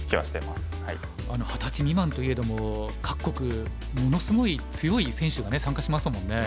二十歳未満といえども各国ものすごい強い選手がね参加しますもんね。